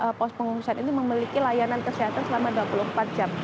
karena pos pengungsian ini memiliki layanan kesehatan selama dua puluh empat jam